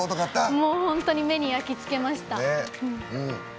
本当に目に焼き付けました。